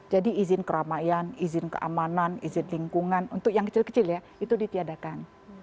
jadi izin keramaian izin keamanan izin lingkungan untuk yang kecil kecil ya itu ditiadakan